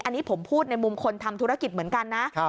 อันนี้ผมพูดในมุมคนทำธุรกิจเหมือนกันนะ